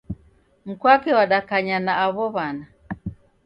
Mkwake wadakanya na aw'o w'ana